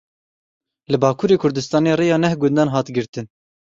Li Bakurê Kurdistanê rêya neh gundan hat girtin.